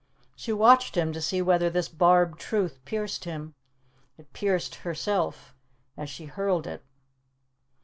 She watched him to see whether this barbed truth pierced him; it pierced herself as she hurled it.